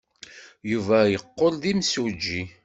Yuba yeqqel d imsujji.